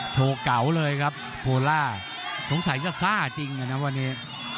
โชว์เก่าเลยครับโคล่าสงสัยจะซ่าจริงนะวันนี้